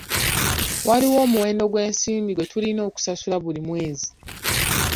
Waliwo omuwendo gw'ensimbi gwe tulina okusasula buli mwezi.